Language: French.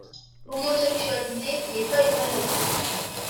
L'homosexualité n'est pas une maladie!